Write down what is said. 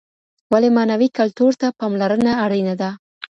ولي معنوي کلتور ته پاملرنه اړينه ده؟